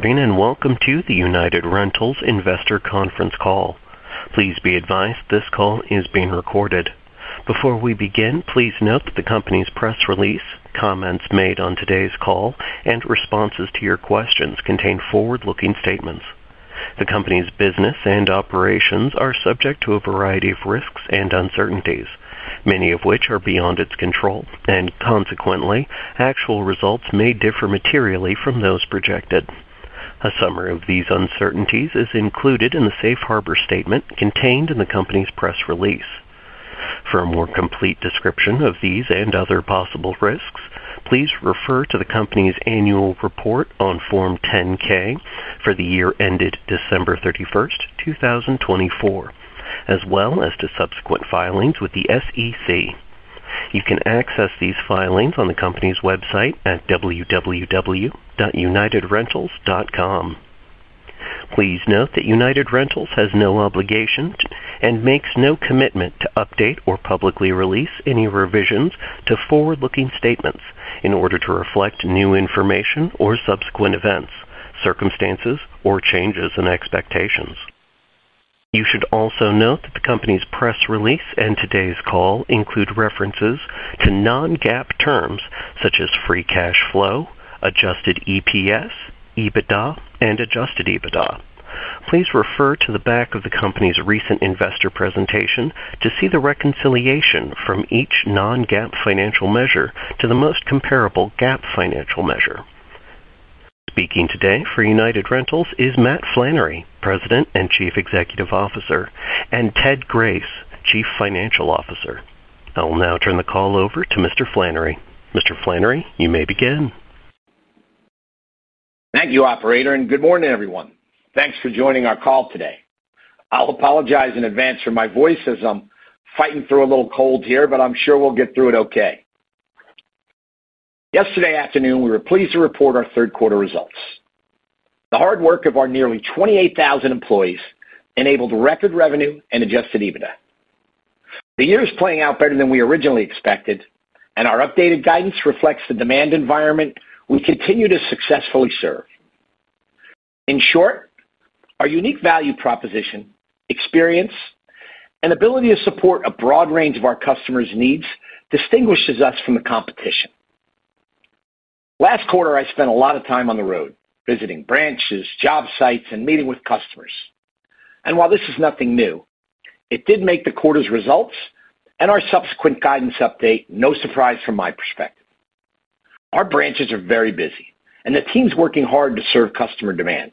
Morning and Welcome to the United Rentals Investor Conference Call. Please be advised this call is being recorded. Before we begin, please note that the Company's press release, comments made on today's call, and responses to your questions contain forward-looking statements. The Company's business and operations are subject to a variety of risks and uncertainties, many of which are beyond its control, and consequently actual results may differ materially from those projected. A summary of these uncertainties is included in the Safe Harbor statement contained in the Company's press release. For a more complete description of these and other possible risks, please refer to the Company's Annual Report on Form 10-K for the year ended December 31st, 2024, as well as to subsequent filings with the SEC. You can access these filings on the Company's website at www.unitedrentals.com. Please note that United Rentals has no obligation and makes no commitment to update or publicly release any revisions to forward-looking statements in order to reflect new information or subsequent events, circumstances, or changes in expectations. You should also note that the Company's press release and today's call include references to non-GAAP terms such as free cash flow, adjusted EPS, EBITDA, and adjusted EBITDA. Please refer to the back of the Company's recent investor presentation to see the reconciliation from each non-GAAP financial measure to the most comparable GAAP financial measure. Speaking today for United Rentals is Matt Flannery, President and Chief Executive Officer, and Ted Grace, Chief Financial Officer. I will now turn the call over to Mr. Flannery. Mr. Flannery, you may begin. Thank you, operator, and good morning, everyone. Thanks for joining our call today. I'll apologize in advance for my voice as I'm fighting through a little cold here, but I'm sure we'll get through it okay. Yesterday afternoon, we were pleased to report our third quarter results. The hard work of our nearly 28,000 employees enabled record revenue and adjusted EBITDA. The year is playing out better than we originally expected, and our updated guidance reflects the demand environment we continue to successfully serve. In short, our unique value proposition, experience, and ability to support a broad range of our customers' needs distinguishes us from the competition. Last quarter, I spent a lot of time on the road visiting branches, job sites, and meeting with customers. While this is nothing new, it did make the quarter's results and our subsequent guidance update no surprise. From my perspective, our branches are very busy and the team's working hard to serve customer demand.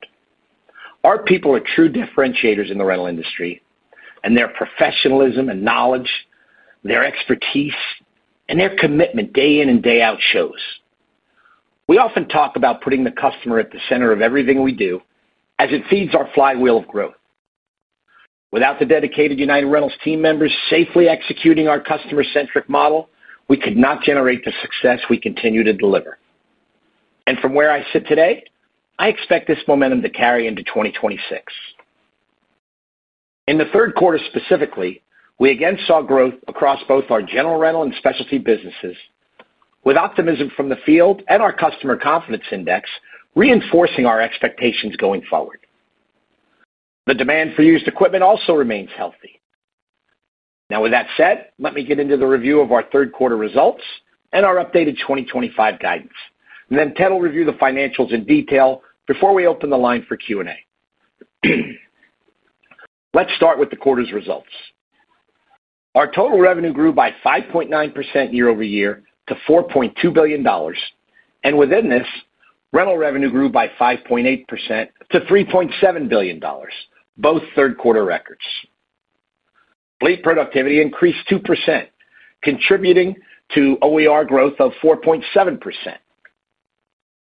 Our people are true differentiators in the rental industry and their professionalism and knowledge, their expertise, and their commitment day in and day out shows. We often talk about putting the customer at the center of everything we do as it feeds our flywheel of growth. Without the dedicated United Rentals team members safely executing our customer-centric model, we could not generate the success we continue to deliver. From where I sit today, I expect this momentum to carry into 2026. In the third quarter specifically, we again saw growth across both our general rental and specialty businesses. With optimism from the field and our Customer Confidence Index, we are reinforcing our expectations going forward. The demand for used equipment also remains healthy. Now, with that said, let me get into the review of our third quarter results and our updated 2025 guidance, and then Ted will review the financials in detail before we open the line for Q and A. Let's start with the quarter's results. Our total revenue grew by 5.9% year-over-year to $4.2 billion, and within this, rental revenue grew by 5.8% to $3.7 billion, both third quarter records. Fleet productivity increased 2%, contributing to OER growth of 4.7%.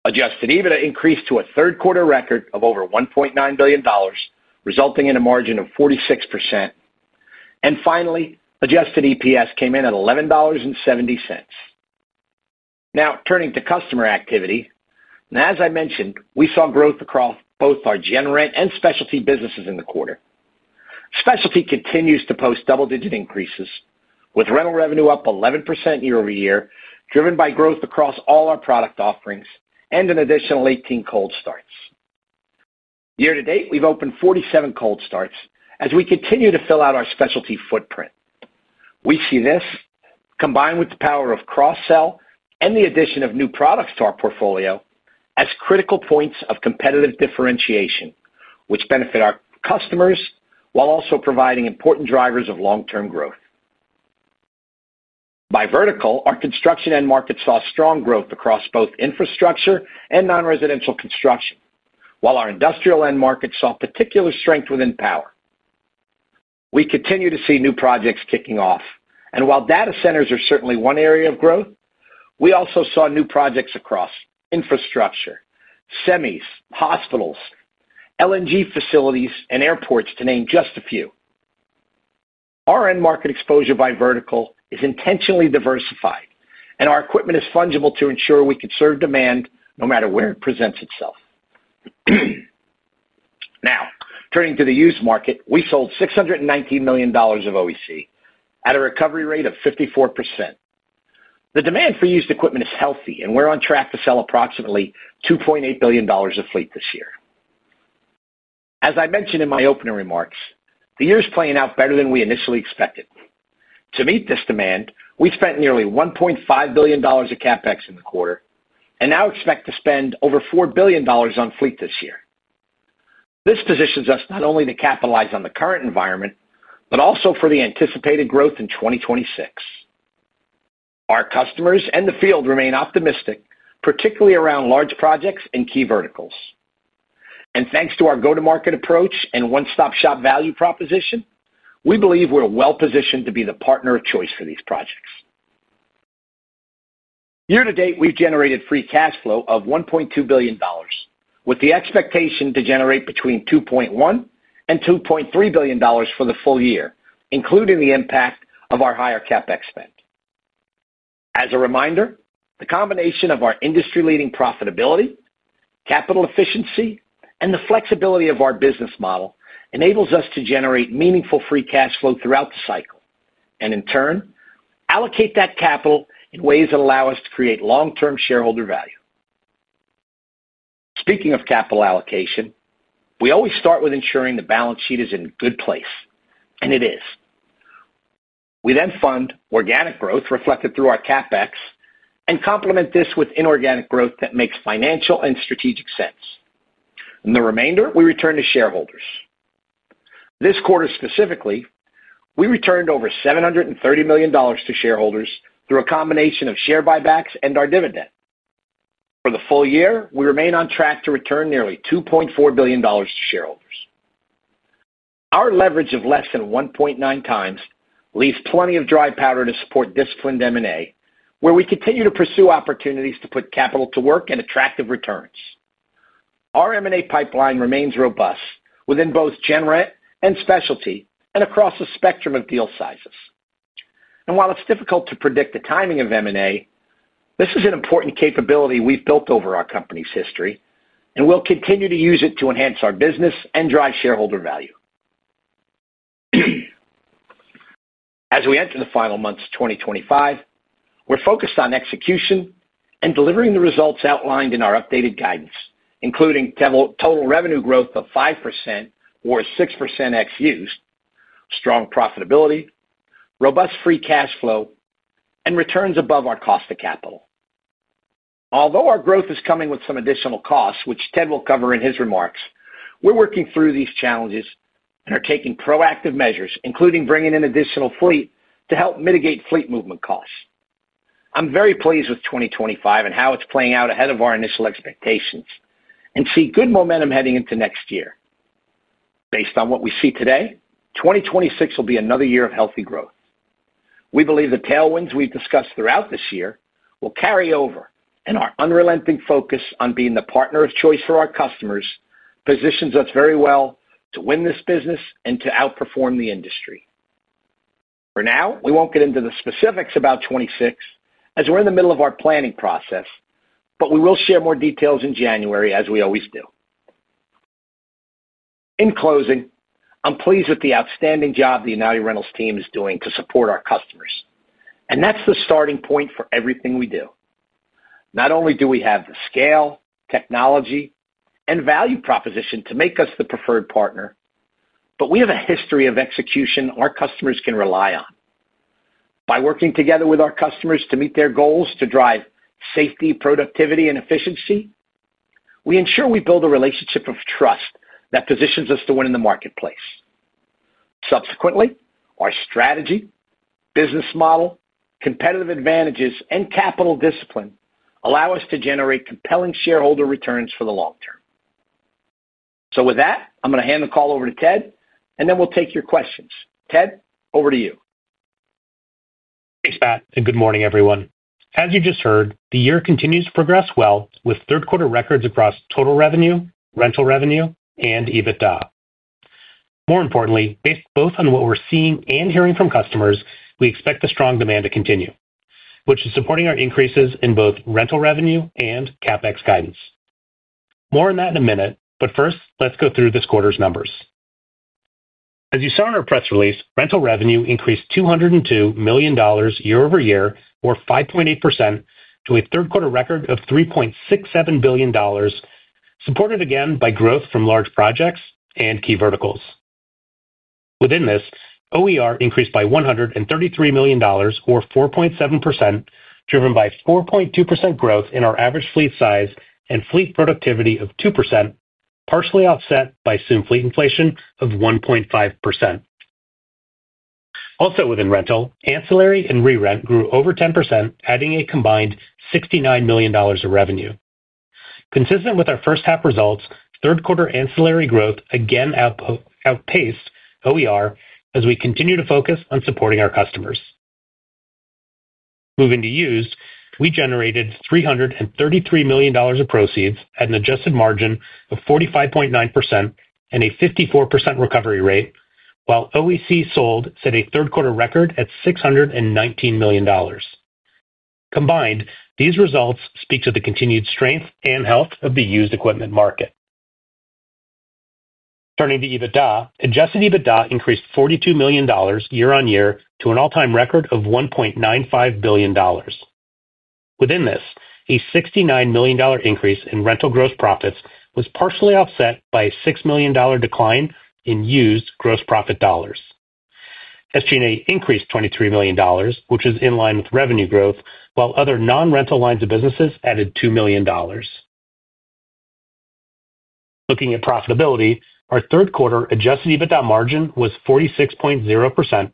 Adjusted EBITDA increased to a third quarter record of over $1.9 billion, resulting in a margin of 46%, and finally, adjusted EPS came in at $11.7. Now, turning to customer activity, as I mentioned, we saw growth across both our general rental and specialty businesses in the quarter. Specialty continues to post double-digit increases with rental revenue up 11% year-over-year, driven by growth across all our product offerings and an additional 18 cold starts. Year to date, we've opened 47 cold starts as we continue to fill out our specialty footprint. We see this, combined with the power of cross-sell and the addition of new products to our portfolio, as critical points of competitive differentiation which benefit our customers while also providing important drivers of long-term growth. By vertical, our construction end market saw strong growth across both infrastructure and nonresidential construction, while our industrial end market saw particular strength within power. We continue to see new projects kicking off, and while data centers are certainly one area of growth, we also saw new projects across infrastructure, semis, hospitals, LNG facilities, and airports, to name just a few. Our end-market exposure by vertical is intentionally diversified, and our equipment is fungible to ensure we can serve demand no matter where it presents itself. Now turning to the used market, we sold $619 million of OEC at a recovery rate of 54%. The demand for used equipment is healthy, and we're on track to sell approximately $2.8 billion of fleet this year. As I mentioned in my opening remarks, the year is playing out better than we initially expected. To meet this demand, we spent nearly $1.5 billion of CapEx in the quarter and now expect to spend over $4 billion on fleet this year. This positions us not only to capitalize on the current environment, but also for the anticipated growth in 2026. Our customers and the field remain optimistic, particularly around large projects and key verticals, and thanks to our go-to-market approach and one-stop shop value proposition, we believe we're well positioned to be the partner of choice for these projects. Year to date, we've generated free cash flow of $1.2 billion with the expectation to generate between $2.1 and $2.3 billion for the full year, including the impact of our higher CapEx spend. As a reminder, the combination of our industry-leading profitability, capital efficiency, and the flexibility of our business model enables us to generate meaningful free cash flow throughout the cycle and in turn allocate that capital in ways that allow us to create long-term shareholder value. Speaking of capital allocation, we always start with ensuring the balance sheet is in good place, and it is. We then fund organic growth reflected through our CapEx and complement this with inorganic growth that makes financial and strategic sense, and the remainder we return to shareholders. This quarter specifically, we returned over $730 million to shareholders through a combination of share buybacks and our dividend. For the full year, we remain on track to return nearly $2.4 billion to shareholders. Our leverage of less than 1.9 times leaves plenty of dry powder to support disciplined M&A, where we continue to pursue opportunities to put capital to work and attractive returns. Our M&A pipeline remains robust within both general rental and specialty and across a spectrum of deal sizes. While it's difficult to predict the timing of M&A, this is an important capability we've built over our company's history, and we'll continue to use it to enhance our business and drive shareholder value as we enter the final months. In 2025, we're focused on execution and delivering the results outlined in our updated guidance, including total revenue growth of 5% or 6% ex used, strong profitability, robust free cash flow, and returns above our cost of capital. Although our growth is coming with some additional costs, which Ted will cover in his remarks, we're working through these challenges and are taking proactive measures, including bringing in additional fleet to help mitigate fleet movement costs. I'm very pleased with 2025 and how it's playing out ahead of our initial expectations and see good momentum heading into next year. Based on what we see today, 2026 will be another year of healthy growth. We believe the tailwinds we've discussed throughout this year will carry over, and our unrelenting focus on being the partner of choice for our customers positions us very well to win this business and to outperform the industry. For now, we won't get into the specifics about 2026 as we're in the middle of our planning process, but we will share more details in January as we always do. In closing, I'm pleased with the outstanding job the United Rentals team is doing to support our customers, and that's the starting point for everything we do. Not only do we have the scale, technology, and value proposition to make us the preferred partner, but we have a history of execution our customers can rely on. By working together with our customers to meet their goals to drive safety, productivity, and efficiency, we ensure we build a relationship of trust that positions us to win in the marketplace. Subsequently, our strategy, business model, competitive advantages, and capital discipline allow us to generate compelling shareholder returns for the long term. With that, I'm going to hand the call over to Ted, and then we'll take your questions. Ted, over to you. Thanks, Matt, and good morning everyone. As you just heard, the year continues to progress well with third quarter records across total revenue, rental revenue, and EBITDA. More importantly, based both on what we're seeing and hearing from customers, we expect the strong demand to continue, which is supporting our increases in both rental revenue and CapEx guidance. More on that in a minute, but first let's go through this quarter's numbers. As you saw in our press release, rental revenue increased $202 million year-over-year, or 5.8%, to a third quarter record of $3.67 billion, supported again by growth from large projects and key verticals. Within this, OER increased by $133 million, or 4.7%, driven by 4.2% growth in our average fleet size and fleet productivity of 2%, partially offset by fleet inflation of 1.5%. Also within rental, ancillary and rerent grew over 10%, adding a combined $69 million of revenue. Consistent with our first half results, third quarter ancillary growth again outpaced OER as we continue to focus on supporting our customers. Moving to used, we generated $333 million of proceeds at an adjusted margin of 45.9% and a 54% recovery rate, while OEC sold set a third quarter record at $619 million combined. These results speak to the continued strength and health of the used equipment market. Turning to EBITDA, adjusted EBITDA increased $42 million year-on-year to an all-time record of $1.95 billion. Within this, a $69 million increase in rental gross profits was partially offset by a $6 million decline in used gross profit dollars. SG&A increased $23 million, which is in line with revenue growth, while other non-rental lines of businesses added $2 million. Looking at profitability, our third quarter adjusted EBITDA margin was 46.0%,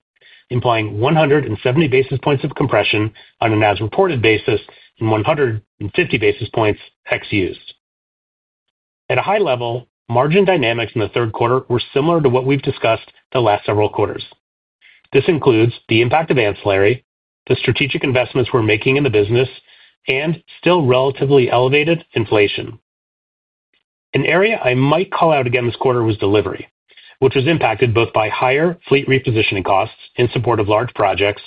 implying 170 basis points of compression on an as-reported basis and 150 basis points ex-used. At a high level, margin dynamics in the third quarter were similar to what we've discussed the last several quarters. This includes the impact of ancillary, the strategic investments we're making in the business, and still relatively elevated inflation. An area I might call out again this quarter was delivery, which was impacted both by higher fleet repositioning costs in support of large projects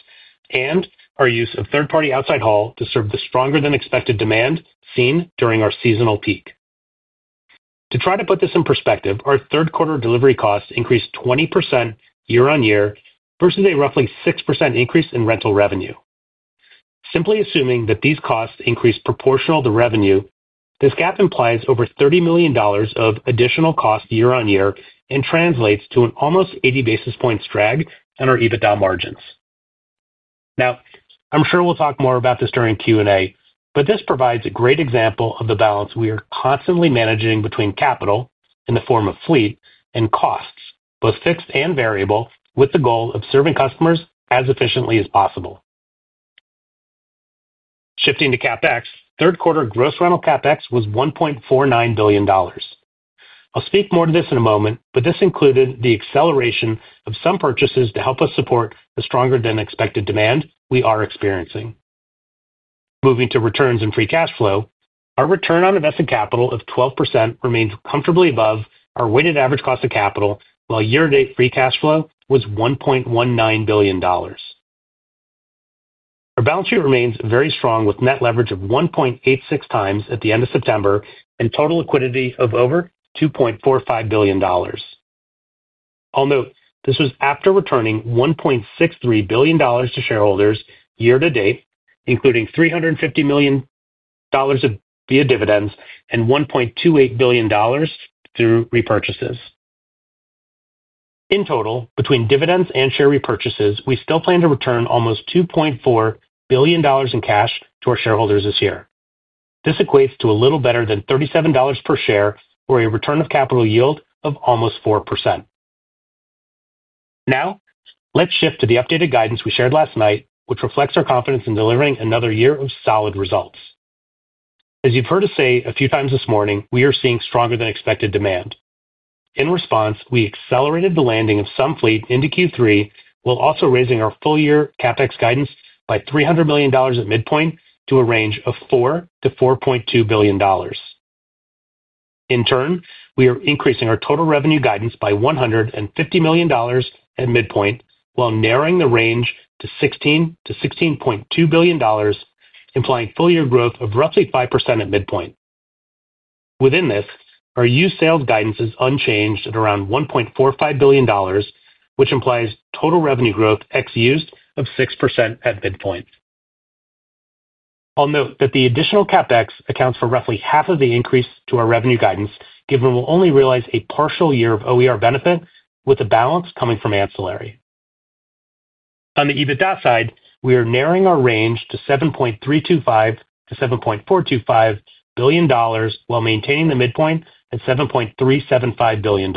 and our use of third-party outside haul to serve the stronger than expected demand seen during our seasonal peak. To try to put this in perspective, our third quarter delivery costs increased 20% year-on-year versus a roughly 6% increase in rental revenue. Simply assuming that these costs increase proportional to revenue, this gap implies over $30 million of additional cost year-on-year and translates to an almost 80 basis points drag on our EBITDA margins. I'm sure we'll talk more about this during Q&A, but this provides a great example of the balance we are constantly managing between capital in the form of fleet and costs, both fixed and variable, with the goal of serving customers as efficiently as possible. Shifting to CapEx, third quarter gross rental CapEx was $1.49 billion. I'll speak more to this in a moment, but this included the acceleration of some purchases to help us support the stronger than expected demand we are experiencing. Moving to returns and free cash flow, our return on invested capital of 12% remains comfortably above our weighted average cost of capital, while year to date free cash flow was $1.19 billion. Our balance sheet remains very strong with net leverage of 1.86 times at the end of September and total liquidity of over $2.45 billion. I'll note this was after returning $1.63 billion to shareholders year to date, including $350 million via dividends and $1.28 billion through repurchases. In total, between dividends and share repurchases, we still plan to return almost $2.4 billion in cash to our shareholders this year. This equates to a little better than $37 per share for a return of capital yield of almost 4%. Now let's shift to the updated guidance we shared last night, which reflects our confidence in delivering another year of solid results. As you've heard us say a few times this morning, we are seeing stronger than expected demand. In response, we accelerated the landing of some fleet into Q3 while also raising our full year CapEx guidance by $300 million at midpoint to a range of $4 billion-$4.2 billion. In turn, we are increasing our total revenue guidance by $150 million at midpoint while narrowing the range to $16 billion-$16.2 billion, implying full year growth of roughly 5% at midpoint. Within this, our used sales guidance is unchanged at around $1.45 billion, which implies total revenue growth ex-used of 6% at midpoint. I'll note that the additional CapEx accounts for roughly half of the increase to our revenue guidance, given we'll only realize a partial year of OER benefit with the balance coming from ancillary. On the EBITDA side, we are narrowing our range to $7.325billion-$7.425 billion while maintaining the midpoint at $7.375 billion.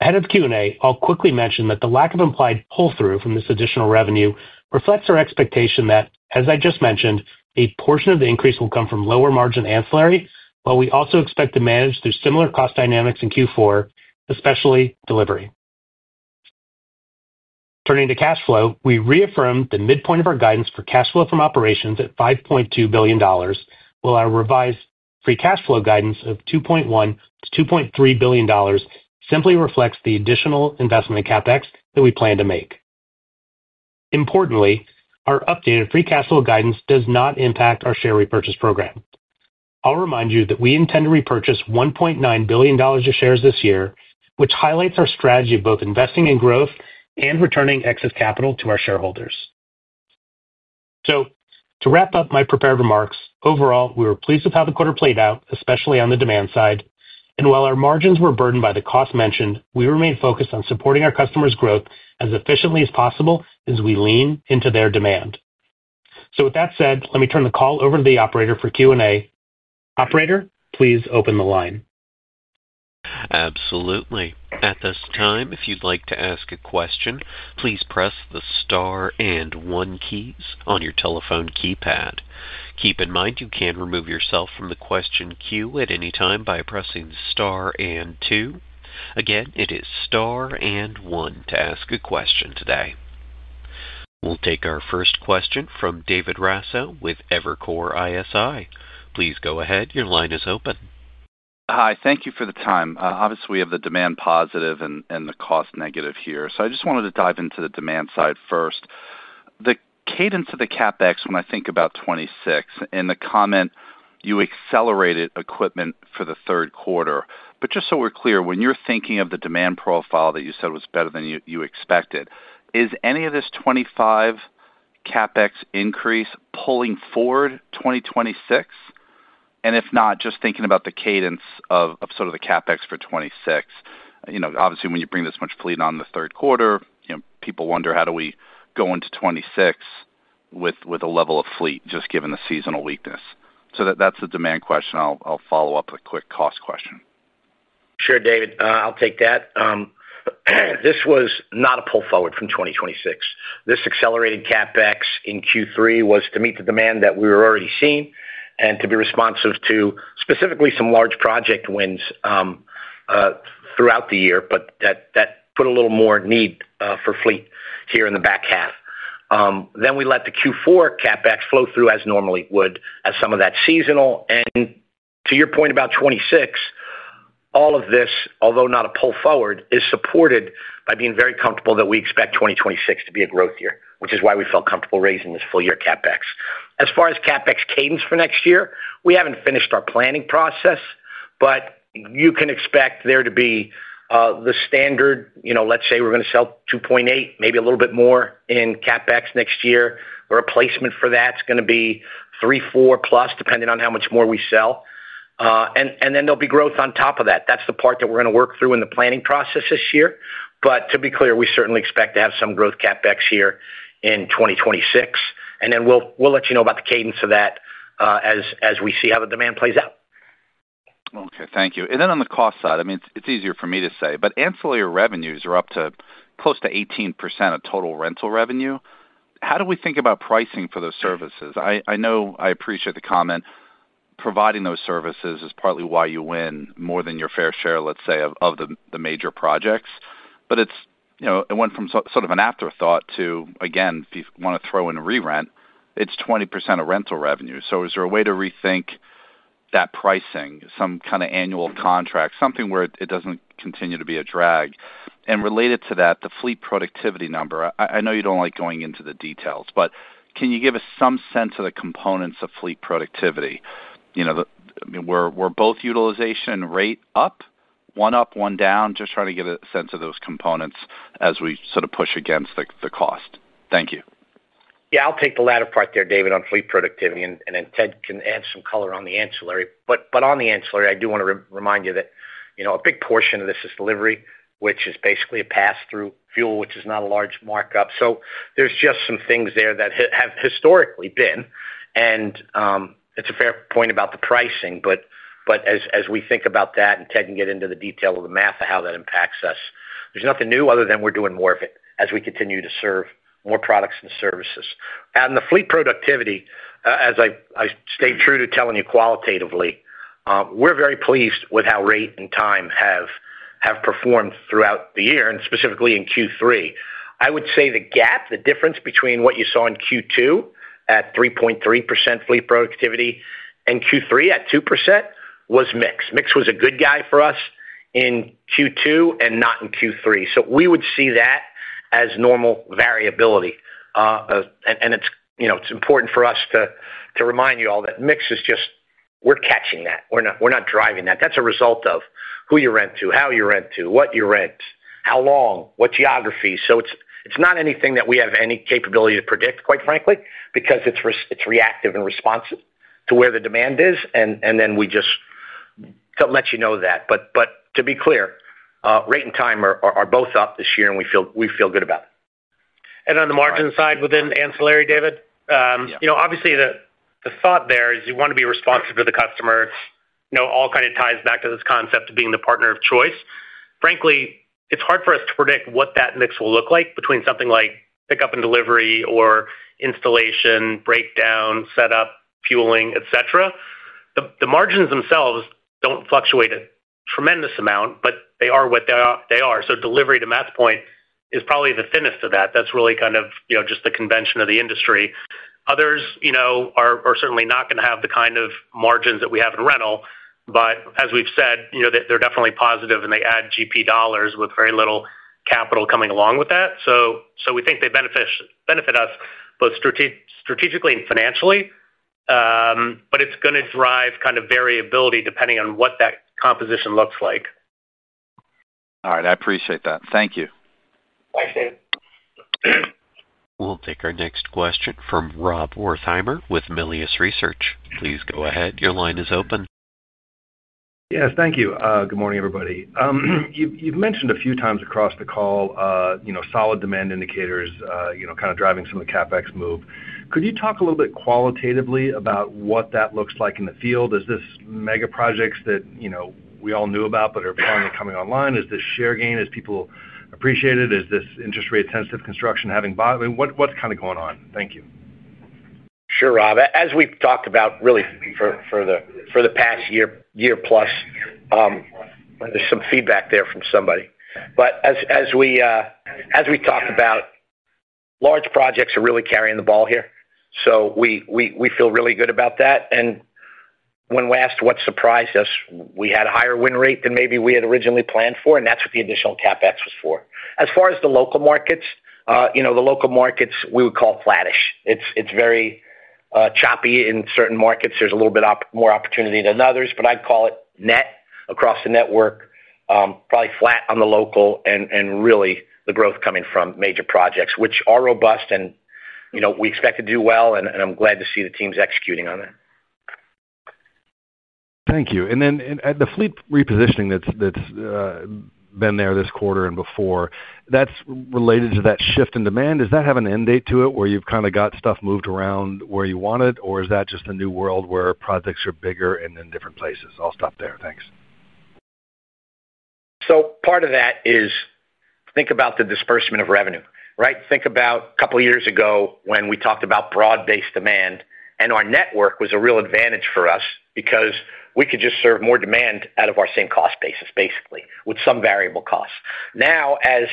Ahead of Q&A, I'll quickly mention that the lack of implied pull through from this additional revenue request reflects our expectation that, as I just mentioned, a portion of the increase will come from lower margin ancillary, while we also expect to manage through similar cost dynamics in Q4, especially delivery. Turning to cash flow, we reaffirmed the midpoint of our guidance for cash flow from operations at $5.2 billion, while our revised free cash flow guidance of $2.1 billion-$2.3 billion simply reflects the additional investment in CapEx that we plan to make. Importantly, our updated free cash flow guidance does not impact our share repurchase program. I'll remind you that we intend to repurchase $1.9 billion of shares this year, which highlights our strategy of both investing in growth and returning excess capital to our shareholders. To wrap up my prepared remarks, overall we were pleased with how the quarter played out, especially on the demand side, and while our margins were burdened by the cost mentioned, we remain focused on supporting our customers' growth as efficiently as possible as we lean into their demand. With that said, let me turn the call over to the operator for Q&A. Operator, please open the. Today, we'll take our first question from David Raso with Evercore ISI. Please go ahead. Your line is open. Hi. Thank you for the time. Obviously we have the demand positive and the cost negative here. I just wanted to dive into the demand side first. The cadence of the CapEx. When I think about 2026 in the comment, you accelerated equipment for the third quarter. Just so we're clear, when you're thinking of the demand profile that you said was better than you expected, is any of this 2025 CapEx increase pulling forward 2026? If not, just thinking about the cadence of the CapEx for 2026. Obviously when you bring this much fleet on the third quarter, people wonder how do we go into 2026 with a level of fleet just given the seasonal weakness. That's a demand question. I'll follow up with a quick cost question. Sure, David, I'll take that. This was not a pull forward from 2026. This accelerated CapEx in Q3 was to meet the demand that we were already seeing and to be responsive to specifically some large project wins throughout the year. That put a little more need for fleet here in the back half. Then we let the Q4 CapEx flow through as it normally would as some of that is seasonal. To your point about 2026, all of this, although not a pull forward, is supported by being very comfortable that we expect 2026 to be a growth year, which is why we felt comfortable raising this full year CapEx. As far as CapEx cadence for next year, we haven't finished our planning process, but you can expect there to be the standard. Let's say we're going to sell $2.8 billion, maybe a little bit more in CapEx next year. A replacement for that's going to be $3 billion, $4 billion plus, depending on how much more we sell. Then there'll be growth on top of that. That's the part that we're going to work through in the planning process this year. To be clear, we certainly expect to have some growth CapEx here in 2026. We'll let you know about the cadence of that as we see how the demand plays out. Okay, thank you. On the cost side, it's easier for me to say, but ancillary revenues are up to close to 18% of total rental revenue. How do we think about pricing for those services? I appreciate the comment. Providing those services is partly why you win more than your fair share of the major projects. It went from sort of an afterthought to, again, if you want to throw in rerent, it's 20% of rental revenue. Is there a way to rethink that pricing, some kind of annual contract, something where it does not continue to be a drag? Related to that, the fleet productivity number. I know you do not like going into the details, but can you give us some sense of the components of fleet productivity? Were both utilization rate up, one up, one down? Just trying to get a sense of those components as we sort of push against the cost. Thank you. I will take the latter part there, David, on fleet productivity, and then Ted can add some color on the ancillary. On the ancillary, I do want to remind you that a big portion of this is delivery, which is basically a pass-through fuel, which is not a large markup. There are just some things there that have historically been. It is a fair point about the pricing, but as we think about that, and Ted can get into the detail of the math of how that impacts us, there is nothing new other than we are doing more of it as we continue to serve more products and services. The fleet productivity, as I stay true to telling you, qualitatively, we are very pleased with how rate and time have performed throughout the year. Specifically in Q3, I would say the gap, the difference between what you saw in Q2 at 3.3% fleet productivity and Q3 at 2% was mix. Mix was a good guy for us in Q2 and not in Q3. We would see that as normal variability. It is important for us to remind you all that mix is just, we are catching that, we are not driving that. That is a result of who you rent to, how you rent, to what you rent, how long, what geography. It is not anything that we have any capability to predict, quite frankly, because it is reactive and responsive to where the demand is. We just let you know that. To be clear, rate and time are both up this year and we feel good about it. On the margin side, within ancillary, David, obviously the thought there is you want to be responsive to the customer. It all kind of ties back to this concept of being the partner of choice. Frankly, it's hard for us to predict what that mix will look like between something like pickup and delivery or installation, breakdown, setup, fueling, et cetera. The margins themselves don't fluctuate a tremendous amount, but they are what they are delivery, to Matt's point, is probably the thinnest of that. That's really kind of just the convention of the industry. Others are certainly not going to have the kind of margins that we have in rental, but as we've said, they're definitely positive and they add GP dollars with very little capital coming along with that. We think they benefit us both strategically and financially. It's going to drive kind of variability depending on what that composition looks like. All right, I appreciate that. Thank you. Thanks, David. We'll take our next question from Rob Wertheimer with Melius Research. Please go ahead. Your line is open. Yes, thank you. Good morning, everybody. You've mentioned a few times across the call solid demand indicators kind of driving some of the CapEx move. Could you talk a little bit qualitatively about what that looks like in the field? Is this mega projects that we all knew about but are finally coming online? Is this share gain as people appreciate it? Is this interest rate sensitive construction having bought what's kind of going on? Thank you. Sure. Rob, as we've talked about really for the past year plus, there's some feedback there from somebody. As we talked about, large projects are really carrying the ball here. We feel really good about that. When asked what surprised us, we had a higher win rate than maybe we had originally planned for, and that's what the additional CapEx was for. As far as the local markets, the local markets we would call flattish, it's very choppy. In certain markets, there's a little bit more opportunity than others, but I'd call it net across the network, probably flat on the local. The growth is really coming from major projects which are robust, and we expect to do well. I'm glad to see the teams executing on that. Thank you. The fleet repositioning that's been there this quarter and before, that's related to that shift in demand. Does that have an end date to it where you've kind of got stuff moved around where you want it, or is that just a new world where projects are bigger and in different places? I'll stop there. Thanks. Part of that is think about the disbursement of revenue. Think about a couple years ago when we talked about broad-based demand and our network was a real advantage for us because we could just serve more demand out of our same cost basis basically with some variable costs. Now, as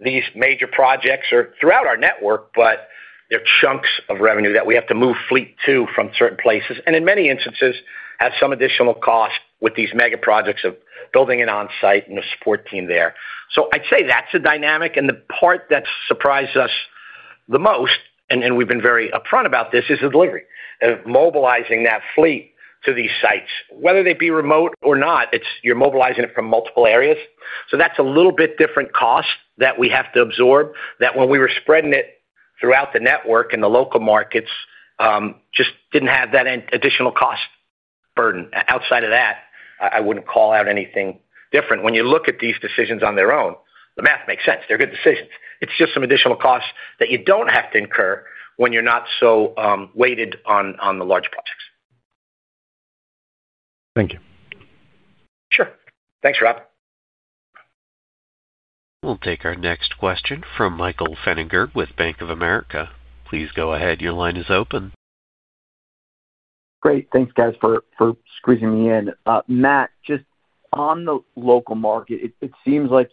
these major projects are throughout our network, they're chunks of revenue that we have to move fleet to from certain places and in many instances have some additional cost with these mega projects of building an on-site and a support team there. I'd say that's a dynamic. The part that surprised us the most, and we've been very upfront about this, is the delivery mobilizing that fleet to these sites, whether they be remote or not, you're mobilizing it from multiple areas. That's a little bit different cost that we have to absorb. When we were spreading it throughout the network in the local markets, it just didn't have that additional cost burden. Outside of that, I wouldn't call out anything different. When you look at these decisions on their own, the math makes sense. They're good decisions. It's just some additional costs that you don't have to incur when you're not so weighted on the large projects. Thank you. Sure. Thanks, Rob. We'll take our next question from Michael Feniger from Bank of America. Please go ahead. Your line is open. Great. Thanks guys for squeezing me in. Matt, just on the local market, it seems like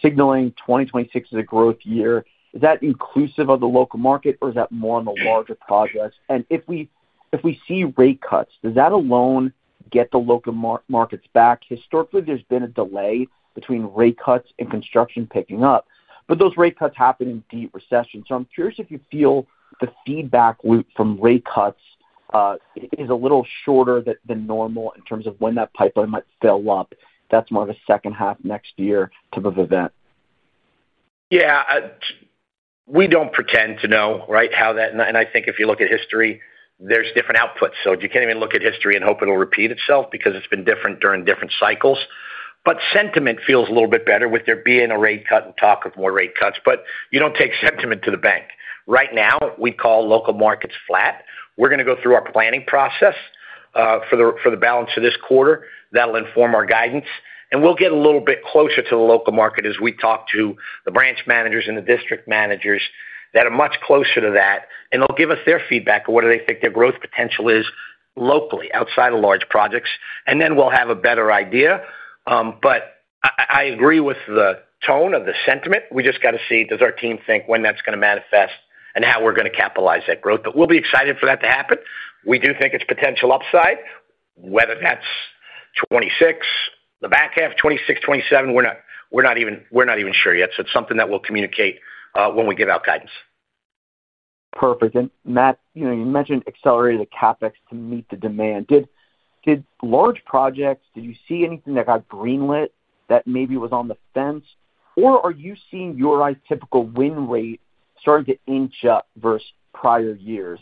signaling 2026 is a growth year. Is that inclusive of the local market or is that more on the larger projects? If we see rate cuts, does that alone get the local markets back? Historically, there's been a delay between rate cuts and construction picking up. Those rate cuts happen in deep recession. I'm curious if you feel the feedback loop from rate cuts is a little shorter than normal in terms of when that pipeline might fill up. That's more of a second half next year type of event. We don't pretend to know how that will play out. If you look at history, there are different outputs, so you can't even look at history and hope it'll repeat itself because it's been different during different cycles. Sentiment feels a little bit better with there being a rate cut and talk of more rate cuts, but you don't take sentiment to the bank. Right now, we call local markets flat. We're going to go through our planning process for the balance of this quarter. That will inform our guidance, and we'll get a little bit closer to the local market as we talk to the branch managers and the district managers that are much closer to that, and they'll give us their feedback, what they think their growth potential is locally, outside of large projects. Then we'll have a better idea. I agree with the tone of the sentiment. We just have to see does our team think when that's going to manifest and how we're going to capitalize that growth. We'll be excited for that to happen. We do think it's potential upside. Whether that's 2026, the back half, 2026, 2027, we're not even sure yet. It's something that we'll communicate when we give out guidance. Perfect. Matt, you mentioned accelerated CapEx to meet the demand. Did large projects, do you see anything that got greenlit that maybe was on the fence? Are you seeing United Rentals' typical win rate starting to inch up versus prior years?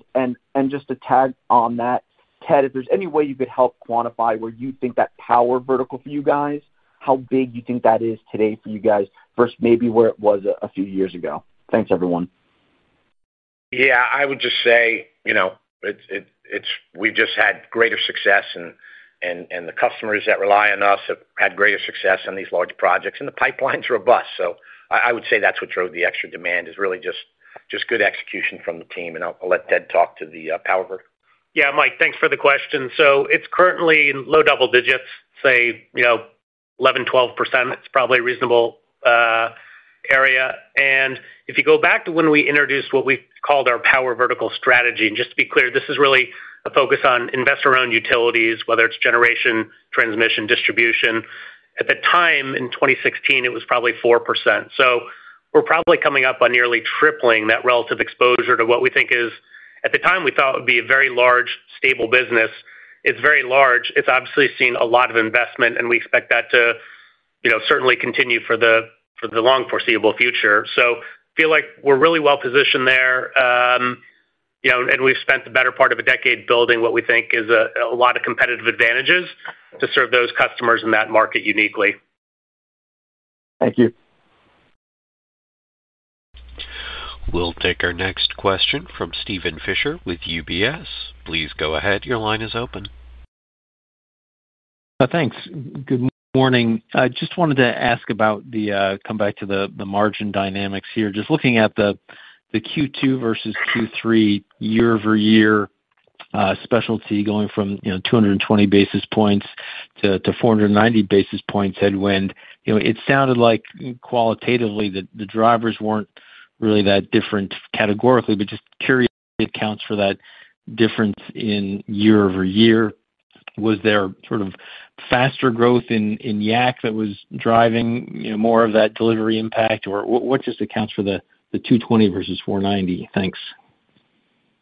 Just to tag on that, Ted, if there's any way you could help quantify where you think that power vertical for you guys, how big you think that is today for you guys, versus maybe where it was a few years ago. Thanks everyone. I would just say we've just had greater success, and the customers that rely on us have had greater success on these large projects, and the pipeline's robust. I would say that's what drove the extra demand, is really just good execution from the team. I'll let Ted talk to the power vertical. Yeah, Mike, thanks for the question. It's currently low double digits, say 11%-12%. It's probably a reasonable area. If you go back to when we introduced what we called our power vertical strategy, and just to be clear, this is really a focus on investor-owned utilities, whether it's generation, transmission, or distribution. At the time in 2016, it was probably 4%. We're probably coming up on nearly tripling that relative exposure to what we think is, at the time we thought would be, a very large, stable business. It's very large. It's obviously seen a lot of investment, and we expect that to certainly continue for the long foreseeable future. We feel like we're really well positioned there, and we've spent the better part of a decade building what we think is a lot of competitive advantages to serve those customers in that market uniquely. Thank you. We'll take our next question from Steven Fisher with UBS. Please go ahead. Your line is open. Thanks. Good morning. I just wanted to ask about the. Come back to the margin dynamics here. Just looking at the Q2 versus Q3 year-over-year, Specialty going from 220 basis points to 490 basis points headwind. It sounded like qualitatively that the drivers weren't really that different categorically. Just curious what accounts for that difference in year-over-year. Was there sort of faster growth in Yak that was driving more of that delivery impact or what accounts for the 220 basis points versus 490 basis points? Thanks.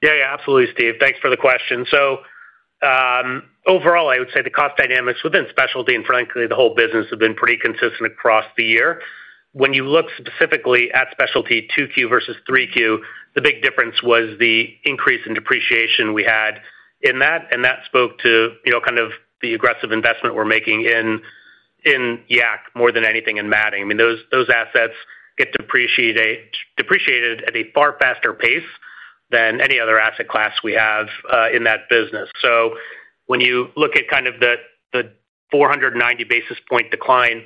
Yeah, absolutely, Steve. Thanks for the question. Overall, I would say the cost dynamics within specialty and, frankly, the whole business have been pretty consistent across the year. When you look specifically at specialty 2Q versus 3Q, the big difference was the increase in depreciation we had in that, and that spoke to the aggressive investment we're making in Yak more than anything in matting. Those assets get depreciated at a far faster pace than any other asset class we have in that business. When you look at the 490 basis point decline,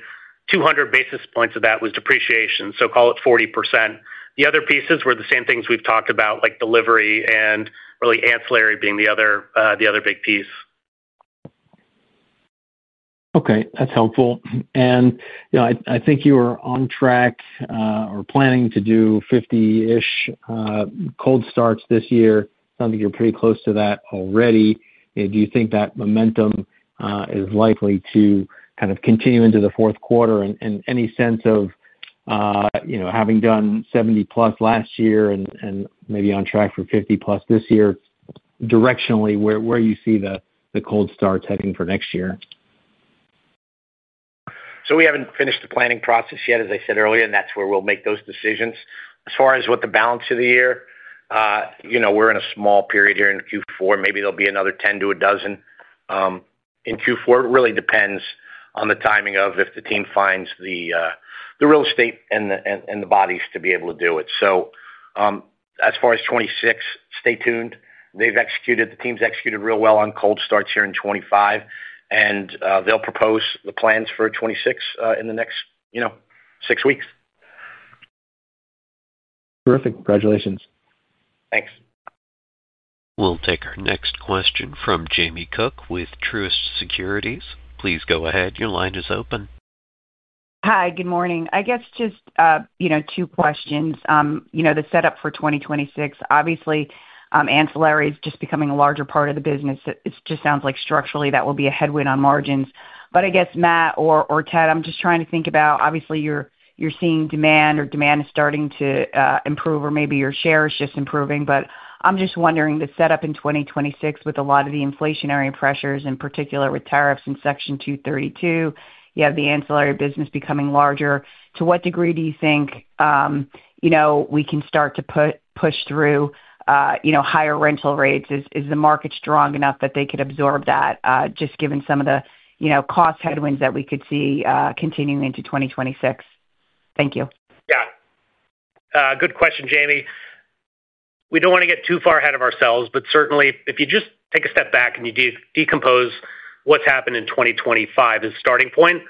200 basis points of that was depreciation, so call it 40%. The other pieces were the same things we've talked about, like delivery and really ancillary being the other big piece. Okay, that's helpful. I think you are on track or planning to do 50-ish cold starts this year. Sounds like you're pretty close to that already. Do you think that momentum is likely to continue into the fourth quarter, and any sense of having done 70+ last year and maybe on track for 50-plus this year, directionally where you see the cold starts heading for next year? We haven't finished the planning process yet, as I said earlier, and that's where we'll make those decisions. As far as the balance of the year, we're in a small period here in Q4. Maybe there'll be another 10 to a dozen in Q4. It really depends on the timing of if the team finds the real estate and the bodies to be able to do it. As far as 2026, stay tuned. The team's executed real well on cold starts here in 2025, and they'll propose the plans for 2026 in the next six weeks. Terrific. Congratulations. Thanks. We'll take our next question from Jamie Cook with Truist Securities. Please go ahead. Your line is open. Hi, good morning. I guess just two questions. The setup for 2026, obviously ancillary is just becoming a larger part of it just sounds like structurally that will be a headwind on margins. I guess, Matt or Ted, I'm just trying to think about, obviously you're. Seeing demand is starting to. Improve or maybe your share is just improving. I'm just wondering, the setup in. 2026 with a lot of the inflationary pressures, in particular with tariffs in section. 232, you have the ancillary business becoming larger. To what degree do you think we can start to push through higher rental rates? Is the market strong enough that they could absorb that just given some of the cost headwinds that we could see continuing into 2026? Thank you. Yeah, good question, Jamie. We don't want to get too far ahead of ourselves, but certainly if you just take a step back and you decompose what's happened in 2025 as a starting point,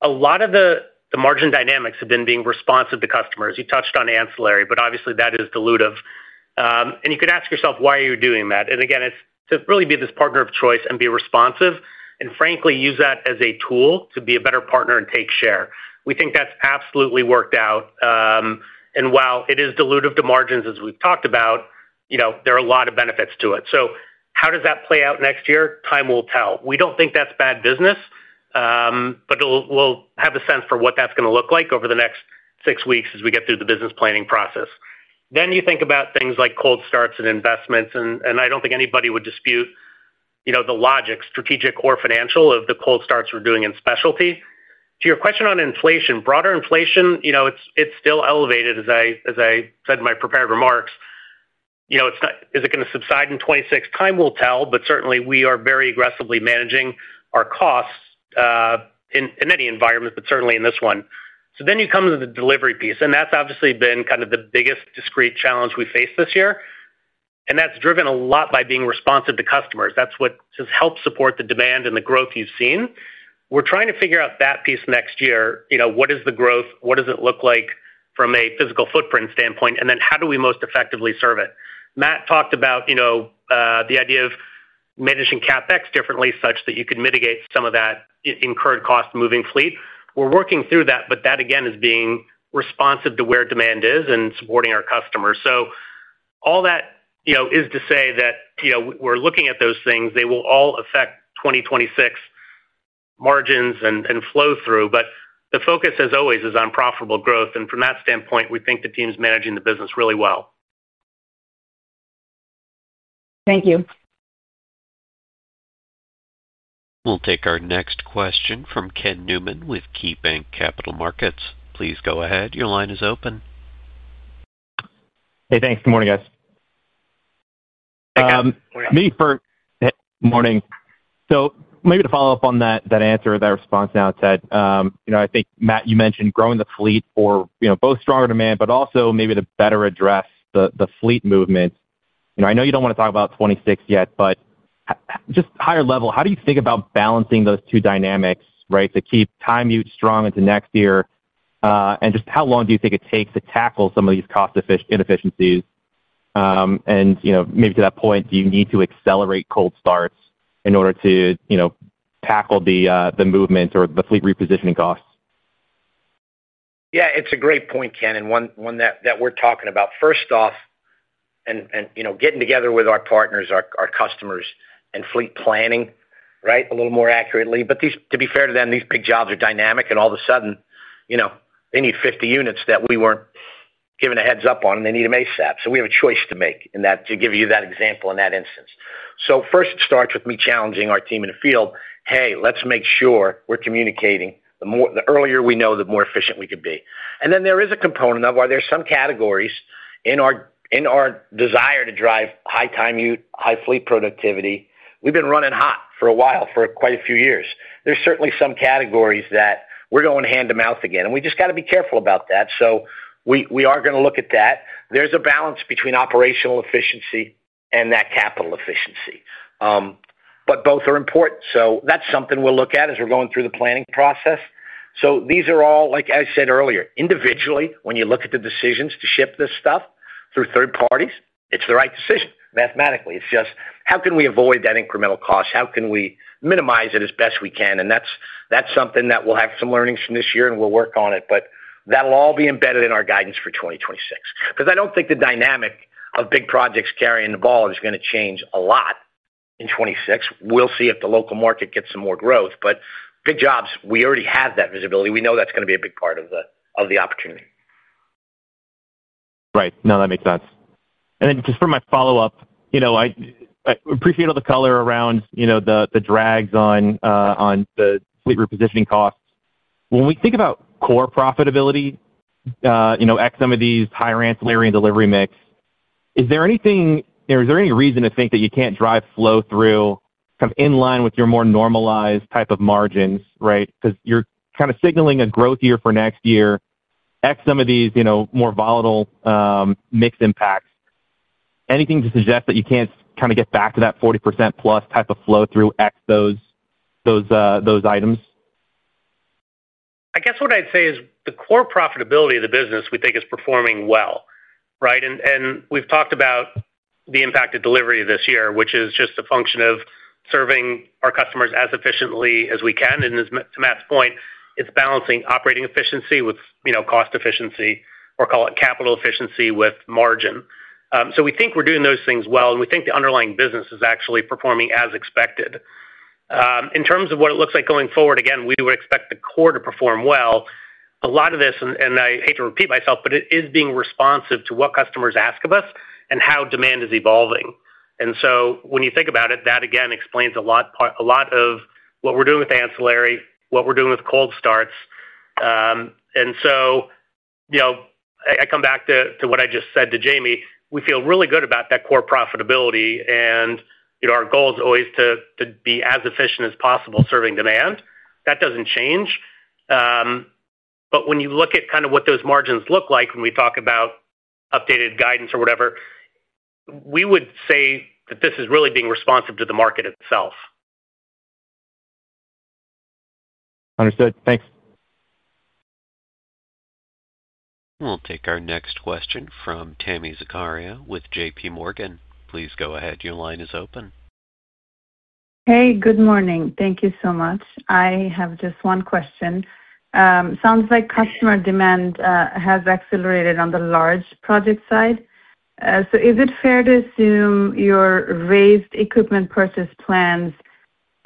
a lot of the margin dynamics have been being responsive to customers. You touched on ancillary, but obviously that is dilutive and you could ask yourself, why are you doing that? Again, it's to really be this partner of choice and be responsive and frankly use that as a tool to be a better partner and take share. We think that's absolutely worked out. While it is dilutive to margins, as we've talked about, there are a lot of benefits to it. How does that play out next year? Time will tell. We don't think that's bad business, but we'll have a sense for what that's going to look like over the next six weeks as we get through the business planning process. You think about things like cold starts and investments. I don't think anybody would dispute the logic, strategic or financial, of the cold starts we're doing in specialty. To your question on inflation, broader inflation, it's still elevated, as I said in my prepared remarks. Is it going to subside in 2026? Time will tell. Certainly we are very aggressively managing our costs in any environment, but certainly in this one. You come to the delivery piece and that's obviously been kind of the biggest discrete challenge we face this year. That's driven a lot by being responsive to customers. That's what has helped support the demand and the growth you've seen. We're trying to figure out that piece next year. What is the growth, what does it look like from a physical footprint standpoint, and then how do we most effectively serve it? Matt talked about the idea of managing CapEx differently such that you could mitigate some of that incurred cost moving fleet. We're working through that. That again is being responsive to where demand is and supporting our customers. All that is to say that we're looking at those things. They will all affect 2026 margins and flow through. The focus, as always, is on profitable growth. From that standpoint, we think the team's managing the business really well. Thank you. We'll take our next question from Ken Newman with KeyBanc Capital Markets. Please go ahead. Your line is open. Hey, thanks. Good morning, guys. Morning. Maybe to follow up on that response now, Ted, I think, Matt, you mentioned growing the fleet for both stronger demand but also maybe to better address the fleet movement. I know you don't want to talk about 2026 yet, but just higher level, how do you think about balancing those two dynamics to keep time utilization strong into next year? How long do you think it takes to tackle some of these cost inefficiencies? Maybe to that point, do you need to accelerate cold starts in order to tackle the movement or the fleet repositioning costs? It's a great point, Ken, and one that we're talking about first off, getting together with our partners, our customers, and fleet planning. Right. A little more accurately. To be fair to them, these big jobs are dynamic and all of a sudden, you know, they need 50 units that we weren't given a heads up on and they need ASAP. We have a choice to make to give you that example in that instance. First, it starts with me challenging our team in the field. Hey, let's make sure we're communicating. The earlier we know, the more efficient we can be. There is a component of are there some categories in our desire to drive high time ute, high fleet productivity? We've been running hot for a while, for quite a few years. There are certainly some categories that we're going hand to mouth again, and we just got to be careful about that. We are going to look at that. There's a balance between operational efficiency and that capital efficiency. Both are important. That's something we'll look at as we're going through the planning process. These are all, like I said earlier, individually, when you look at the decisions to ship this stuff through third parties, it's the right decision mathematically. How can we avoid that incremental cost? How can we minimize it as best we can? That's something that we'll have some learnings from this year and we'll work on it. That'll all be embedded in our guidance for 2026. I don't think the dynamic of big projects carrying the ball is going to change a lot in 2026. We'll see if the local market gets some more growth. Big jobs, we already have that visibility. We know that's going to be a big part of the opportunity. Right, no, that makes sense. For my follow up. I appreciate all the color around the drags on the fleet repositioning costs. When we think about core profitability, you know, X some of these higher ancillary delivery mix, is there any reason to think that you can't drive flow through kind of in line with your more normalized type of margins? Right. Because you're kind of signaling a growth year for next year, X some of these more volatile mix impacts, anything to suggest that you can't kind of get back to that 40%+ type of flow through. Those items. I guess what I'd say is the core profitability of the business we think is performing well. Right. We've talked about the impact of delivery this year, which is just a function of serving our customers as efficiently as we can. To Matt's point, it's balancing operating efficiency with cost efficiency, or call it capital efficiency with margin. We think we're doing those things well and we think the underlying business is actually performing as expected in terms of what it looks like going forward. Again, we would expect the core to perform well. A lot of this, and I hate to repeat myself, is being responsive to what customers ask of us and how demand is evolving. When you think about it, that again explains a lot of what we're doing with ancillary, what we're doing with cold starts. I come back to what I just said to Jamie. We feel really good about that core profitability and our goal is always to be as efficient as possible serving demand. That doesn't change. When you look at kind of what those margins look like, when we talk about updated guidance or whatever, we would say that this is really being responsive to the market itself. Understood, thanks. We'll take our next question from Tami Zakaria with JPMorgan. Please go ahead. Your line is open. Hey, good morning. Thank you so much. I have just one question. Sounds like customer demand has accelerated on the large project side. Is it fair to assume your raised equipment purchase plans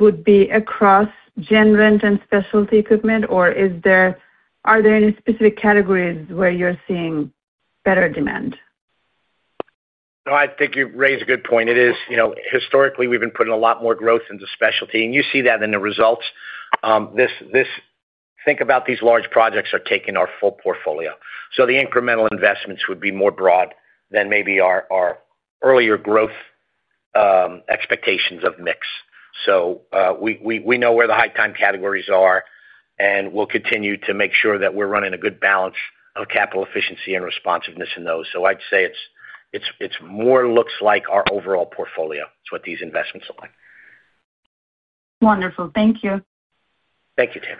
would be across general rental and specialty equipment, or are there any specific categories where you're seeing better demand? I think you raise a good point. Historically, we've been putting a lot more growth into specialty and you see that in the results. Think about these large projects taking our full portfolio. The incremental investments would be more broad than maybe our earlier growth expectations of mix. We know where the high time categories are and we'll continue to make sure that we're running a good balance of capital, efficiency, and responsiveness in those. I'd say it looks more like our overall portfolio. It's what these investments look like. Wonderful. Thank you. Thank you, Tami.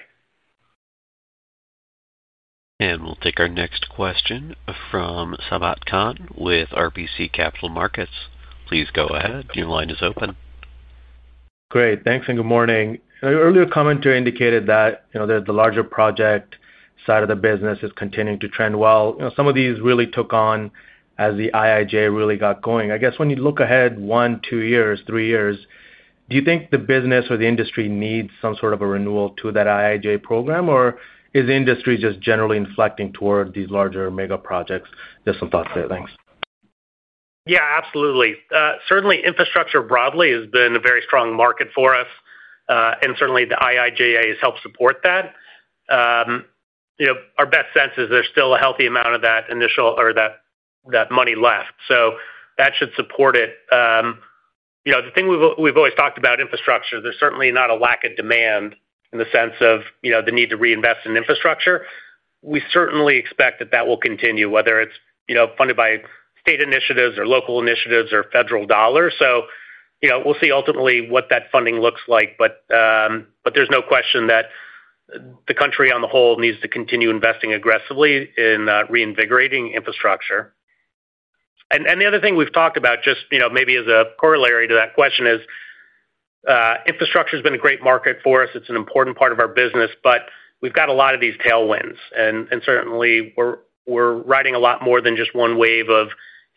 We will take our next question from Sabahat Khan with RBC Capital Markets. Please go ahead. Your line is open. Great. Earlier commenter indicated that the larger project. Side of the business is continuing to trend. Some of these really took on as the IIJ really got going, I guess when you look ahead, one, two years, three years, do you think? The business or the industry needs some sort of a renewal to that IIJ program, or is the industry just generally inflecting toward these larger mega projects? Just some thoughts there. Thanks. Yeah, absolutely. Certainly infrastructure broadly has been a very strong market for us and certainly the IIJA has helped support that. Our best sense is there's still a healthy amount of that initial or that money left, so that should support it. The thing we've always talked about, infrastructure, there's certainly not a lack of demand in the sense of the need to reinvest in infrastructure. We certainly expect that that will continue whether it's funded by state initiatives or local initiatives or federal dollars. We'll see ultimately what that funding looks like. There's no question that the country on the whole needs to continue investing aggressively in reinvigorating infrastructure. The other thing we've talked about, just maybe as a corollary to that question, is infrastructure has been a great market for us. It's an important part of our business. We've got a lot of these tailwinds and certainly we're riding a lot more than just one wave of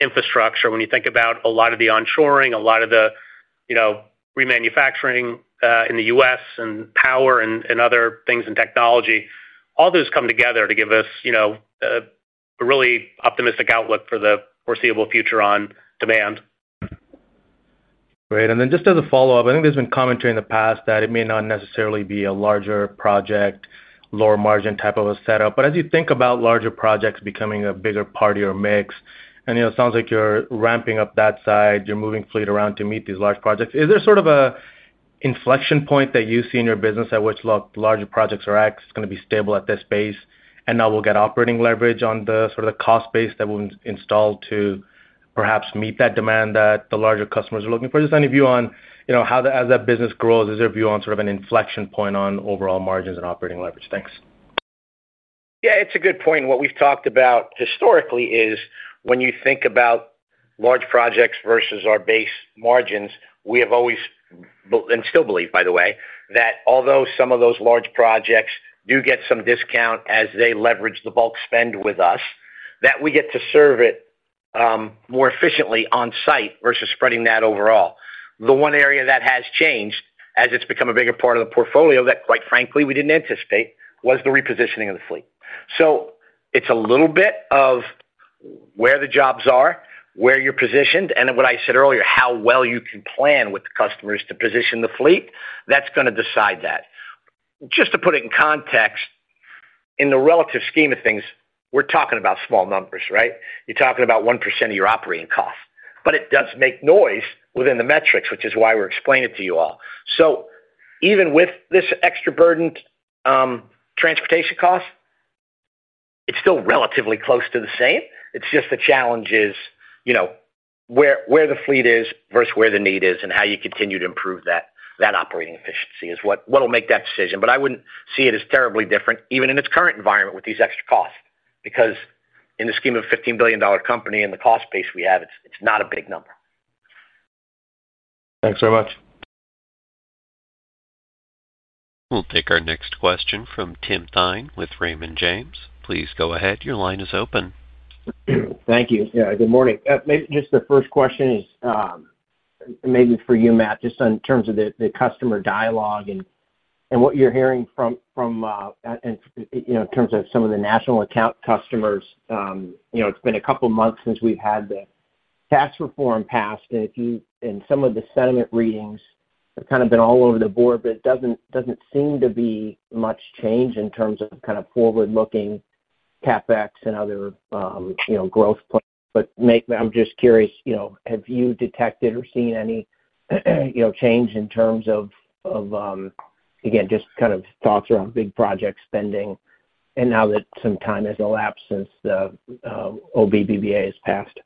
infrastructure. When you think about a lot of the onshoring, a lot of the remanufacturing in the U.S. and power and other things in technology, all those come together to give us a really optimistic outlook for the foreseeable future on demand. Great. Just as a follow-up, I think there's been commentary in the past that it may not necessarily be a larger project, lower margin type of a set up. As you think about larger projects becoming a bigger part of your mix, and it sounds like you are ramping up that side, you're moving fleet around to meet these large projects. Is there sort of an inflection point that you see in your business at which, look, larger projects are going to be stable at this base, and now we'll get operating leverage on the sort of cost base that will install to perhaps meet that demand that the larger customers are looking for. Just any view on how, as that business grows, is there a view on sort of an inflation inflection point on overall margins and operating leverage? Thanks. Yeah, it's a good point. What we've talked about historically is when you think about large projects versus our base margins, we have always and still believe, by the way, that although some of those large projects do get some discount as they leverage the bulk spend with us, that we get to serve it more efficiently on site versus spreading that overall. The one area that has changed is as it's become a bigger part of the portfolio that, quite frankly, we didn't anticipate was the repositioning of the fleet. It's a little bit of where the jobs are, where you're positioned, and what I said earlier, how well you can plan with the customers to position the fleet that's going to decide that. Just to put it in context, in the relative scheme of things, we're talking about small numbers, right? You're talking about 1% of your operating costs. It does make noise within the metrics, which is why we're explaining it to you all. Even with this extra burden, transportation costs, it's still relatively close to the same. The challenge is where the fleet is versus where the need is and how you continue to improve that operating efficiency is what will make that decision. I wouldn't see it as terribly different even in its current environment with these extra costs, because in the scheme of a $15 billion company and the cost base we have, it's not a big number. Thanks very much. We'll take our next question from Tim Thein with Raymond James. Please go ahead. Your line is open. Thank you. Good morning. Just the 1st question is maybe for you, Matt, just in terms of the customer dialogue and what you're hearing from in terms of some of the national account customers. You know, it's been a couple months since we've had the tax reform passed, and some of the sentiment readings have kind of been all over the board, but it doesn't seem to be much change in terms of kind of forward looking CapEx and other, you know, growth plan. I'm just curious, have you detected or seen any change in terms of, again, just kind of thoughts around big project spending now that some time has elapsed since the OBBBA has passed?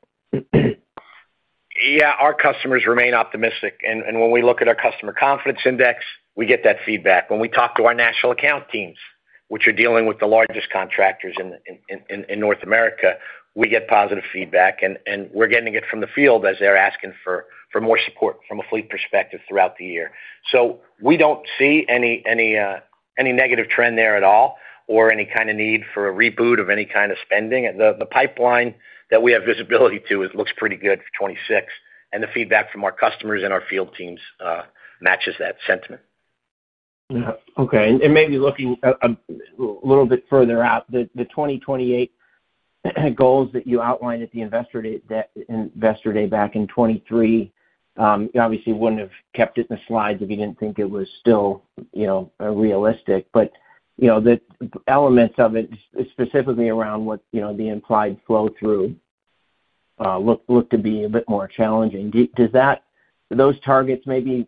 Our customers remain optimistic and when we look at our customer confidence index, we get that feedback. When we talk to our national account teams, which are dealing with the largest contractors in North America, we get positive feedback and we're getting it from the field as they're asking for more support from a fleet perspective throughout the year. We don't see any negative trend there at all or any kind of need for a reboot of any kind of spending. The pipeline that we have visibility to looks pretty good for 2026 and the feedback from our customers and our field teams matches that sentiment. Okay. Maybe looking a little bit further out, the 2028 goals that you outlined at the investor day back in 2023 obviously wouldn't have kept it in the slides if you didn't think it was still, you know, realistic. The elements of it specifically around what, you know, the implied flow through look to be a bit more challenging. Do those targets maybe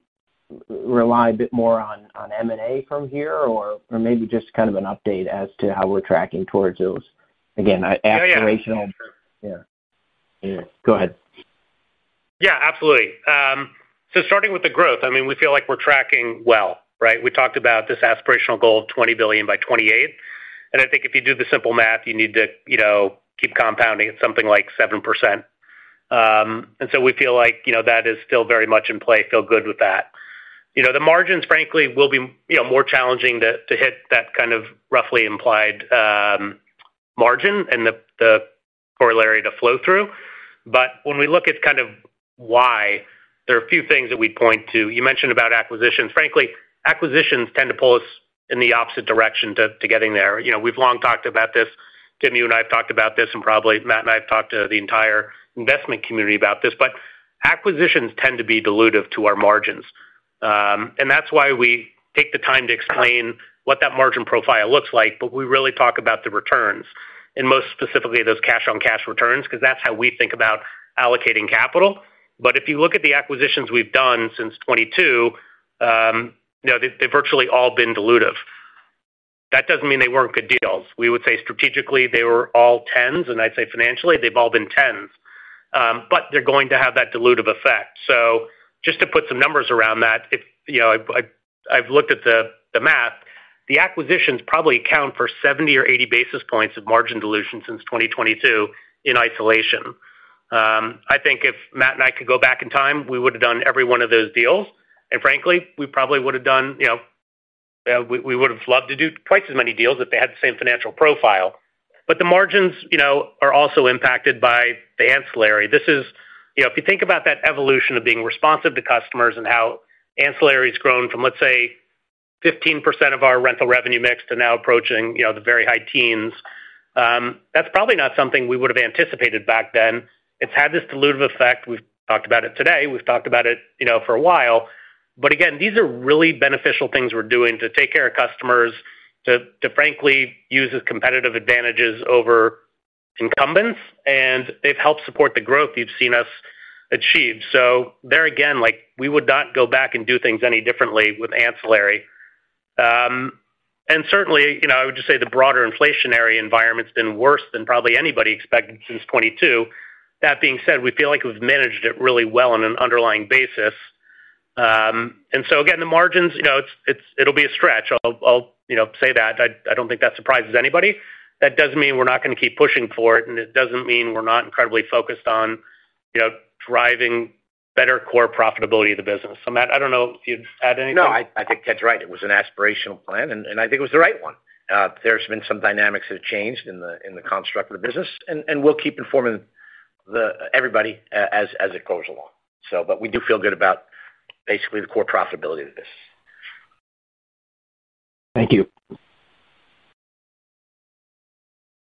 rely a bit more on M&A from here or maybe just kind of an update as to how we're tracking towards those again? Go ahead. Yeah, absolutely. Starting with the growth, we feel like we're tracking well. We talked about this aspirational goal of $20 billion by 2028. I think if you do the simple math, you need to keep compounding at something like 7%. We feel like that is still very much in play feel good with that. The margins, frankly, will be more challenging to hit that kind of roughly implied margin and the corollary to flow through. When we look at kind of why, there are a few things that we point to. You mentioned acquisitions. Frankly, acquisitions tend to pull us in the opposite direction to getting there. We've long talked about this. Tim, you and I have talked about this and probably Matt and I have talked to the entire investment community about this. Acquisitions tend to be dilutive to our margins and that's why we take the time to explain what that margin profile looks like. We really talk about the returns and most specifically those cash on cash returns because that's how we think about allocating capital. If you look at the acquisitions we've done since 2022, they've virtually all been dilutive. That doesn't mean they weren't good deals. We would say strategically they were all tens, and I'd say financially they've all been tens. They're going to have that dilutive effect. Just to put some numbers around that, I've looked at the math. The acquisitions probably account for 70 basis points or 80 basis points of margin dilution since 2022 in isolation. I think if Matt and I could go back in time, we would have done every one of those deals. Frankly, we probably would have done, we would have loved to do twice as many deals if they had the same financial profile. The margins are also impacted by the ancillary. If you think about that evolution of being responsive to customers and how ancillary has grown from, let's say, 15% of our rental revenue mix to now approaching the very high teens, that's probably not something we would have anticipated back then. It's had this dilutive effect. We've talked about it today. We've talked about it for a while. Again, these are really beneficial things we're doing to take care of customers, to frankly use the competitive advantages over incumbents, and they've helped support the growth you've seen us achieve. We would not go back and do things any differently with ancillary. Certainly, I would just say the broader inflationary environment's been worse than probably anybody expected since 2022. That being said, we feel like we've managed it really well on an underlying basis. Again, the margins, it'll be a stretch. I'll say that I don't think that surprises anybody. That doesn't mean we're not going to keep pushing for it, and it doesn't mean we're not incredibly focused on driving better core profitability of the business. Matt, I don't know if you'd add anything. No, I think Ted's right. It was an aspirational plan, and I think it was the right one. There have been some dynamics that have changed in the construct of the business, and we'll keep informing everybody as it goes along. We do feel good about basically the core profitability of the business. Thank you.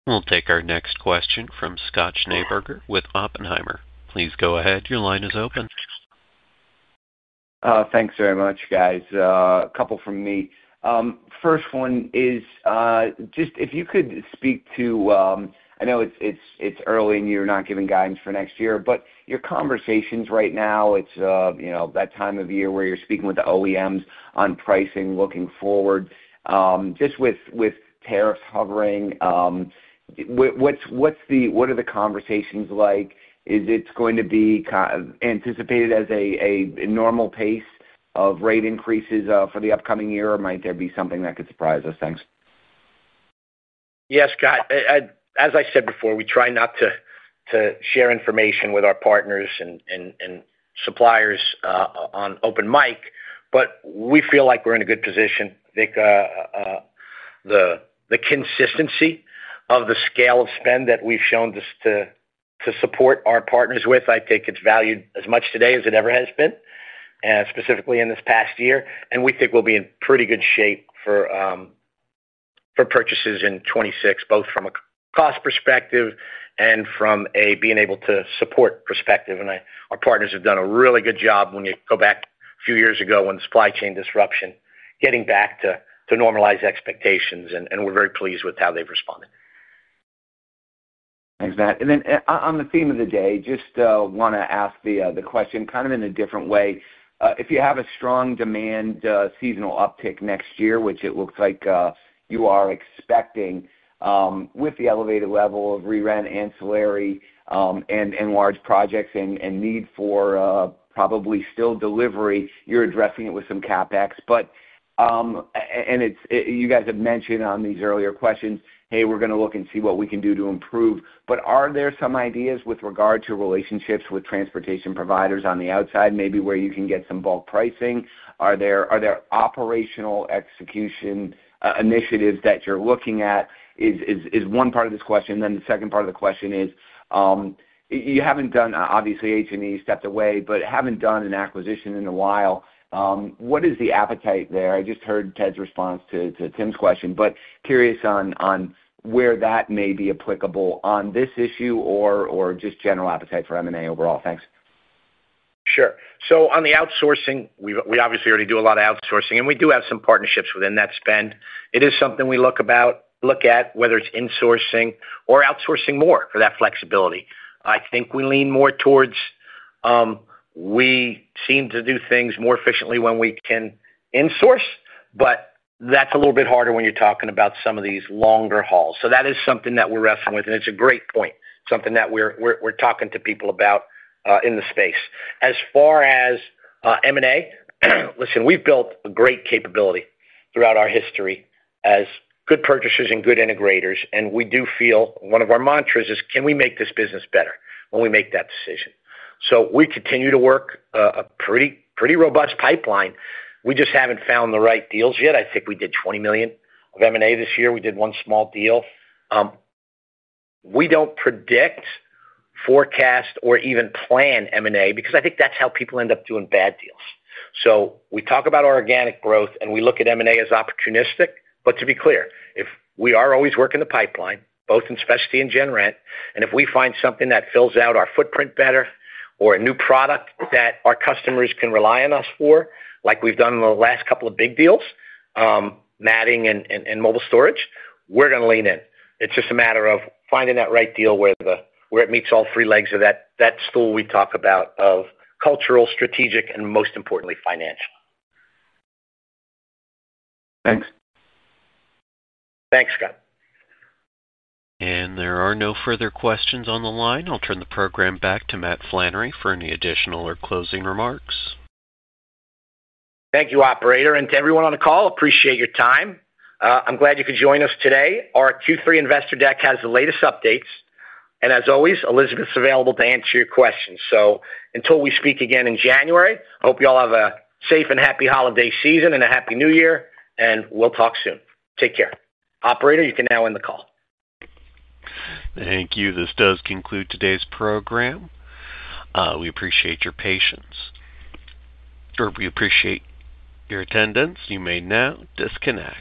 We'll take our next question from Scott Schneeberger with Oppenheimer. Please go ahead. Your line is open. Thanks very much, guys. A couple from me. 1st, one is just if you could speak to, I know it's early and you're not giving guidance for next year, but your conversations right now, it's that time of year where you're speaking with the OEMs on pricing. Looking forward, just with tariffs hovering, what are the conversations like? Is it going to be anticipated as a normal pace of rate increases for the upcoming year, or might there be something that could surprise us? Yes, Scott, as I said before, we try not to share information with our partners and suppliers on open mic, but we feel like we're in a good position. The consistency of the scale of spend that we've shown to support our partners with, I think it's valued as much today as it ever has been, specifically in this past year, and we think we'll be in pretty good shape for purchases in 2026, both from a cost perspective and from a being able to support perspective. Our partners have done a really good job. When you go back a few years ago, when supply chain disruption, getting back to normalized expectations, and we're very pleased with how they've responded. Thanks, Matt. On the theme of the day, just want to ask the question kind of in a different way. If you have a strong demand seasonal uptick next year, which it looks like you are expecting with the elevated level of rerent, ancillary, and large projects and need for probably still delivery, you're addressing it with some CapEx. You guys have mentioned on these earlier questions, hey, we're going to look and see what we can do to improve, but are there some ideas with regard to relationships with transportation providers on the outside, maybe where you can get some bulk prices? Are there operational execution initiatives that you're looking at? That is one part of this question. The 2nd part of the question is, you haven't done, obviously H&E stepped away, but haven't done an acquisition in a while. What is the appetite there? I just heard Ted's response to Tim's question, but curious on where that may be applicable on this issue or just general appetite for M&A overall. Thanks. Sure. On the outsourcing, we obviously already do a lot of outsourcing and we do have some partnerships within that spend. It is something we look at, whether it's insourcing or outsourcing more for that flexibility. I think we lean more towards, we seem to do things more efficiently when we can in-source, but that's a little bit harder when you're talking about some of these longer hauls. That is something that we're wrestling with. It's a great point, something that we're talking to people about in the space as far as M&A. Listen, we've built a great capability throughout our history as good purchasers and good integrators. We do feel one of our mantras is, can we make this business better when we make that decision? We continue to work a pretty robust pipeline. We just haven't found the right deals yet. I think we did $20 million of M&A this year. We did one small deal. We don't predict, forecast, or even plan M&A because I think that's how people end up doing bad deals. We talk about organic growth and we look at M&A as opportunistic. To be clear, we are always working the pipeline, both in specialty and general rental, and if we find something that fills out our footprint better or a new product that our customers can rely on us for, like we've done the last couple of big deals, matting and mobile storage, we're going to lean in. It's just a matter of finding that right deal where it meets all three legs of that stool we talk about: cultural, strategic, and most importantly, financial. Thanks. Thanks, Scott. There are no further questions on the line. I'll turn the program back to Matt Flannery for any additional or closing remarks. Thank you, operator. To everyone on the call, appreciate your time. I'm glad you could join us today. Our Q3 investor deck has the latest updates, and as always, Elizabeth is available to answer your questions. Until we speak again in January, I hope you all have a safe and happy holiday season and a happy New Year. We'll talk soon. Take care, operator. You can now end the call. Thank you. This does conclude today's program. We appreciate your patience and we appreciate your attendance. You may now disconnect.